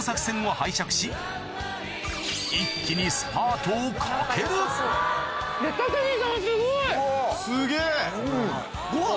一気にスパートをかけるすげぇ！